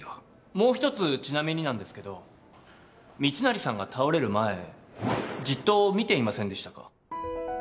もう１つちなみになんですけど密成さんが倒れる前じっと見ていませんでしたか？